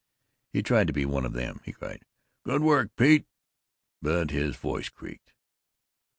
He tried to be one of them; he cried "Good work, Pete!" but his voice creaked.